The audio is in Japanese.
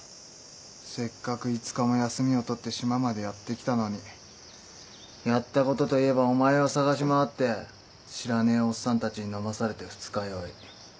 せっかく５日も休みを取って島までやって来たのにやったことといえばお前を捜し回って知らねえオッサンたちに飲まされて二日酔い。